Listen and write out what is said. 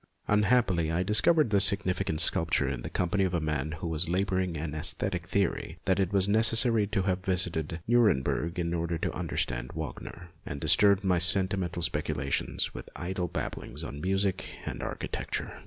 Unhappily I discovered this signifi cant sepulchre in the company of a man who was labouring an aesthetic theory that it was necessary to have visited Nuremberg in order to understand Wagner, and disturbed my sentimental speculations with idle babblings on music and architecture.